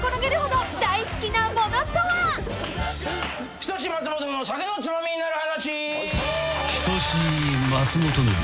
『人志松本の酒のツマミになる話』